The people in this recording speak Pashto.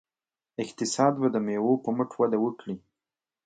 اقتصاد به د میوو په مټ وده وکړي.